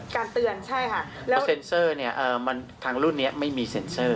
การเตือนใช่ค่ะแล้วเซ็นเซอร์เนี่ยมันทางรุ่นนี้ไม่มีเซ็นเซอร์